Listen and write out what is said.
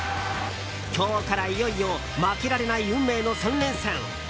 今日からいよいよ負けられない運命の３連戦。